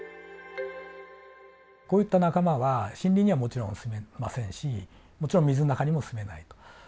こういった仲間は森林にはもちろん住めませんしもちろん水の中にも住めないと。